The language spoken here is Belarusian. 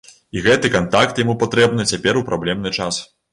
І гэты кантакт яму патрэбны цяпер у праблемны час.